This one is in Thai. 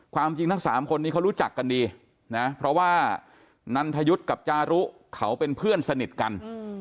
ความจริงทั้ง๓คนนี้เขารู้จักกันดีนะเพราะว่านันทยุทธ์กับจารุเขาเป็นเพื่อนสนิทกัน